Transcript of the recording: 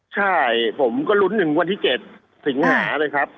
ใช่ผมก็ลุ้นถึงวันที่๗สิงหาเลยครับ